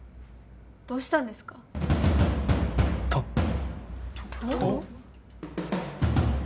どうしたんですか？とと？